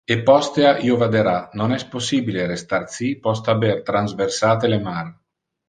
E postea io vadera: non es possibile restar ci, post haber transversate le mar.